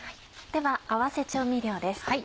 では合わせ調味料です。